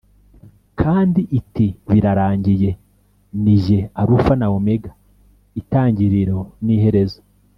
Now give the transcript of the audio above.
Kandi iti “Birarangiye. Ni jye Alufa na Omega, itangiriro n’iherezo.